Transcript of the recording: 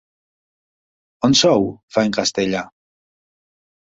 On sou? —fa en castellà—.